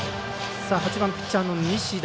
８番ピッチャーの西田。